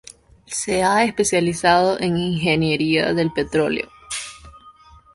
Se ha especializado en ingeniería del petróleo.